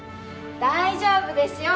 大丈夫ですよ！